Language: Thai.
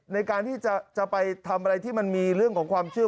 ในการที่จะไปทำอะไรที่มันมีเรื่องของความเชื่อ